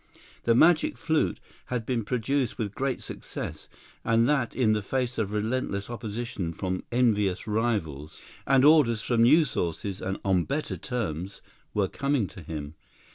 "The Magic Flute" had been produced with great success, and that in the face of relentless opposition from envious rivals; and orders from new sources and on better terms were coming to him.